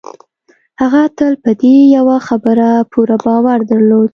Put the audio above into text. هغه تل په دې يوه خبره پوره باور درلود.